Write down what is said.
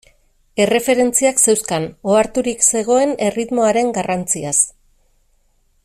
Erreferentziak zeuzkan, oharturik zegoen erritmoaren garrantziaz.